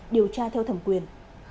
điều tra theo thẩm quyền